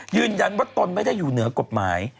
ยืนยันว่าตนไม่ได้อยู่เหนือกฎหมาย